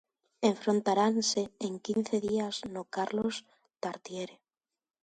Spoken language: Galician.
Enfrontaranse en quince días no Carlos Tartiere.